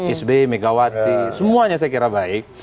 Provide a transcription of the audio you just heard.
isb megawati semuanya saya kira baik